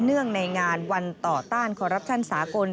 เนื่องในงานวันต่อต้านการทุจริตสากล